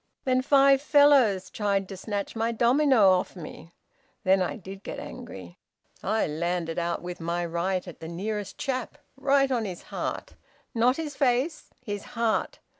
Then five fellows tried to snatch my domino off me. Then I did get angry. I landed out with my right at the nearest chap right on his heart. Not his face. His heart.